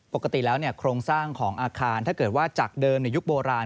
ปกติแล้วโครงสร้างของอาคารถ้าเกิดว่าจากเดิมในยุคโบราณ